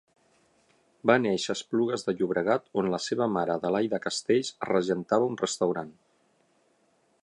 Va néixer a Esplugues de Llobregat, on la seva mare, Adelaida Castells, regentava un restaurant.